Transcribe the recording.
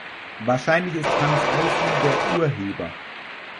Wahrscheinlich ist Hanns Eisler der Urheber.